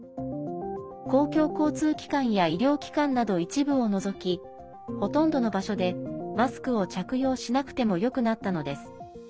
公共交通機関や医療機関など一部を除きほとんどの場所でマスクを着用しなくてもよくなったのです。